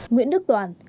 nguyễn đức toàn